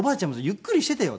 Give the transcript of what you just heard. ゆっくりしていてよと。